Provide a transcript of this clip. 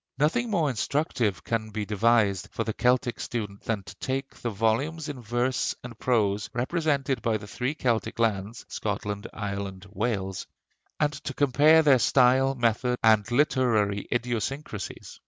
Nothing more instructive can be devised for the Celtic student than to take the volumes in verse and prose representing the three Celtic lands, Scotland, Ireland, Wales, and to compare their style, method, and literary idiosyncrasies.